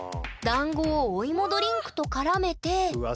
だんごをお芋ドリンクと絡めてうわ